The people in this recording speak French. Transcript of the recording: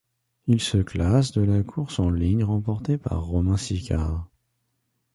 Il se classe de la course en ligne remportée par Romain Sicard.